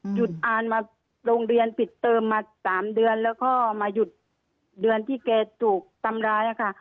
หยุดอ่านมาโรงเรียนปิดเติมมา๓เดือนแล้วก็มาหยุดเดือนที่แกถูกทำร้ายค่ะ